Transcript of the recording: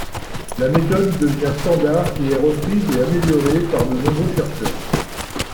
La méthode devient standard et est reprise et améliorée par de nombreux chercheurs.